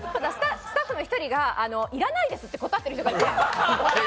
スタッフの１人が要らないですと断ってる人がいて。